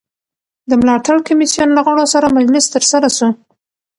د ملاتړ کمېسیون له غړو سره مجلس ترسره سو.